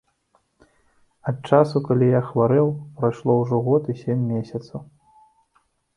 Ад часу, калі я хварэў, прайшло ўжо год і сем месяцаў.